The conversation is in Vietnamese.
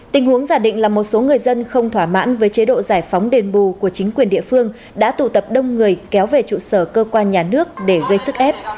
tình huống giả định là một số người dân không thỏa mãn với chế độ giải phóng đền bù của chính quyền địa phương đã tụ tập đông người kéo về trụ sở cơ quan nhà nước để gây sức ép